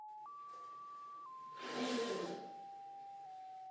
Přesto nejsou dosud známy stejné účinky u člověka.